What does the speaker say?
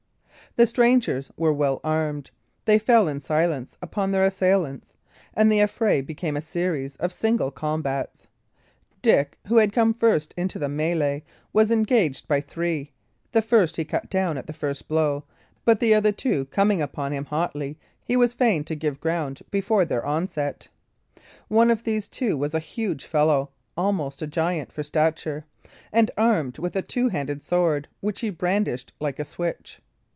The strangers were well armed; they fell in silence upon their assailants; and the affray became a series of single combats. Dick, who had come first into the mellay, was engaged by three; the first he cut down at the first blow, but the other two coming upon him, hotly, he was fain to give ground before their onset. One of these two was a huge fellow, almost a giant for stature, and armed with a two handed sword, which he brandished like a switch.